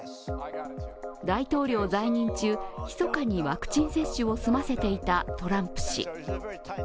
大統領在任中、密かにワクチン接種を済ませていたトランプ氏。